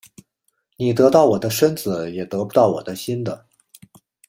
你得到我的身子也得不到我的心的